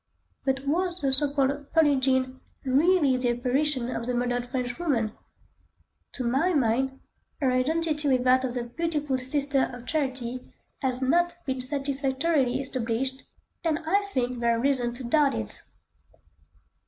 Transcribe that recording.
But was the so called "Pearlin' Jean" really the apparition of the murdered French woman? To my mind, her identity with that of the beautiful Sister of Charity has not been satisfactorily established, and I think there are reasons to doubt it.